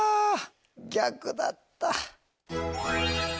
逆だった。